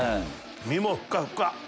身もふかふか！